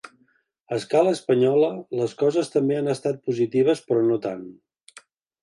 A escala espanyola, les coses també han estat positives, però no tant.